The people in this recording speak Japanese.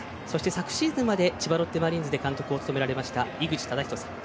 昨シーズンまで千葉ロッテマリーンズで監督を務められました井口資仁さん。